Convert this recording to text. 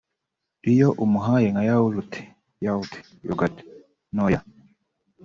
Iyo umuhaye nka yawurute (Yaourt /Yogurt ) ntoya